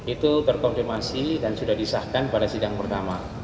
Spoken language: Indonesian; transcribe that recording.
itu terkonfirmasi dan sudah disahkan pada sidang pertama